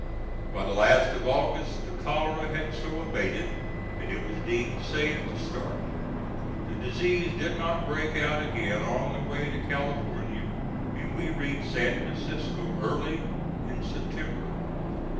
By the last of August the cholera had so abated that it was deemed safe to start. The disease did not break out again on the way to California, and we reached San Francisco early in September.